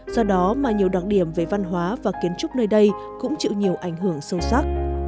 do đó mà nhiều đặc điểm về văn hóa và kiến trúc nơi đây cũng chịu nhiều ảnh hưởng sâu sắc